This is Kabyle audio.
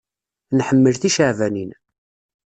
Nḥemmel ticeɛbanin.